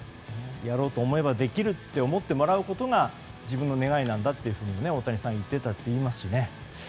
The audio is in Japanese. やろうと思えばできると思ってもらうことが自分の願いなんだと、大谷さんは言っていたといいますしね。